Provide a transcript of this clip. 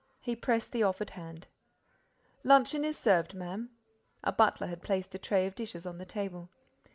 He pressed the offered hand. "Luncheon is served, ma'am." A butler had placed a tray of dishes on the table.